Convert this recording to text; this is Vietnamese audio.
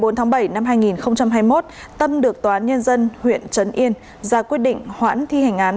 ngày bốn tháng bảy năm hai nghìn hai mươi một tâm được tòa án nhân dân huyện trấn yên ra quyết định hoãn thi hành án